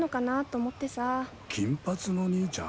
金髪の兄ちゃん？